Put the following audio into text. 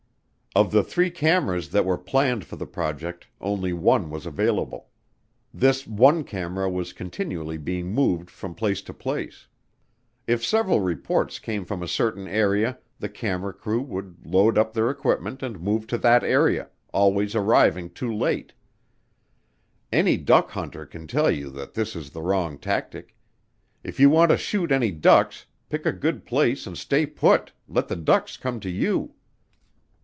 Of the three cameras that were planned for the project, only one was available. This one camera was continually being moved from place to place. If several reports came from a certain area, the camera crew would load up their equipment and move to that area, always arriving too late. Any duck hunter can tell you that this is the wrong tactic; if you want to shoot any ducks pick a good place and stay put, let the ducks come to you.